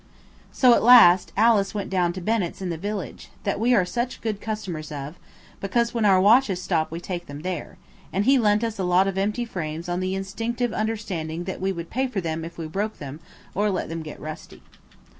So at last Alice went down to Bennett's in the village, that we are such good customers of, because when our watches stop we take them there, and he lent us a lot of empty frames on the instinctive understanding that we would pay for them if we broke them or let them get rusty.